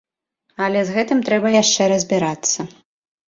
Але з гэтым трэба яшчэ разбірацца.